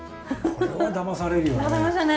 これはだまされるよね！